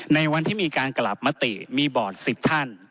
ในวันที่มีการกลับมติมีบอร์ด๑๐ท่าน